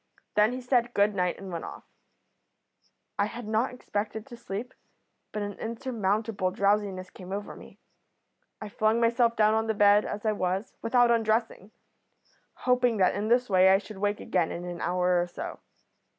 Then he said good night and went off. "I had not expected to sleep, but an insurmountable drowsiness came over me. I flung myself down on the bed as I was, without undressing, hoping that in this way I should wake again in an hour or so.